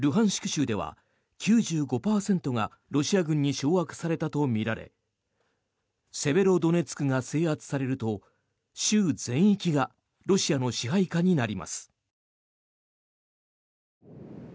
州では９５％がロシア軍に掌握されたとみられセベロドネツクが制圧されると州全域がロシアの支配下になります。